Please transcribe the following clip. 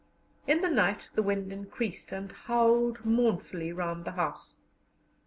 In the night the wind increased, and howled mournfully round the house.